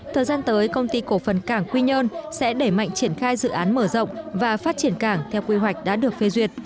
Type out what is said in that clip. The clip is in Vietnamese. thời gian tới công ty cổ phần cảng quy nhơn sẽ đẩy mạnh triển khai dự án mở rộng và phát triển cảng theo quy hoạch đã được phê duyệt